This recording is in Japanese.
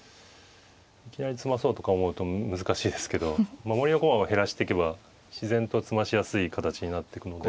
いきなり詰まそうとか思うと難しいですけど守りの駒を減らしていけば自然と詰ましやすい形になってくので。